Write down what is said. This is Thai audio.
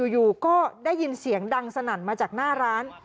อยู่ก็ได้ยินเสียงดังสนั่นมาจากหน้าร้าน